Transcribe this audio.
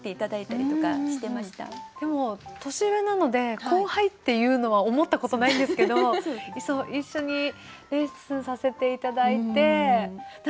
でも年上なので後輩っていうのは思ったことないんですけど一緒にレッスンさせて頂いて。